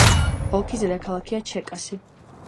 ოლქის დედაქალაქია ჩერკასი.